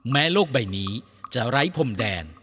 โลกใบนี้จะไร้พรมแดน